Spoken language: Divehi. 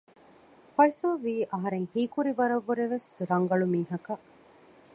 ފައިސަލްވީ އަހަރެން ހީކުރި ވަރަށް ވުރެވެސް ރަނގަޅު މީހަކަށް